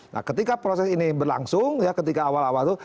nah ketika proses ini berlangsung ya ketika awal awal itu